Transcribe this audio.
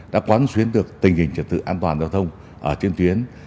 đã quán xuyến được tình hình trật tự an toàn giao thông ở trên tuyến